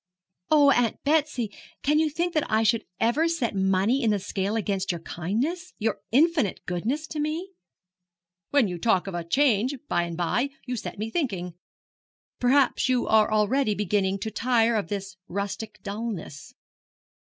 'Oh, Aunt Betsy, can you think that I should ever set money in the scale against your kindness your infinite goodness to me?' 'When you talk of a change by and by, you set me thinking. Perhaps you are already beginning to tire of this rustic dullness.'